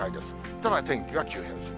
ただ、天気は急変する。